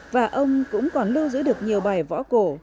và ông cũng còn lưu giữ được nhiều bài võ cổ